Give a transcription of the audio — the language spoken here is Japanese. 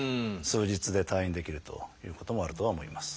数日で退院できるということもあるとは思います。